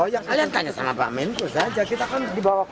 jangan lupa like share dan subscribe